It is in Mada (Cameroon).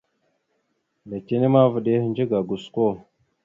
Letine ma, vaɗ ya ehədze ga gosko.